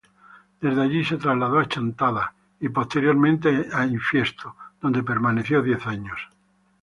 Desde allí se trasladó a Chantada, y posteriormente a Infiesto, donde permaneció diez años.